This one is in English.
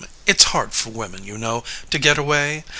It's hard for women, you know, To get away.